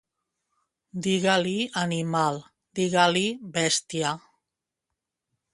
Diga-li animal, diga-li bèstia.